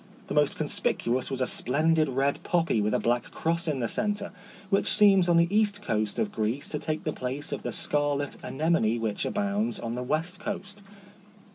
The most conspicuous was a splendid red poppy with a black cross in the centre, which seems on the east side of Greece to take the place of the scarlet anem one which abounds on the west coast.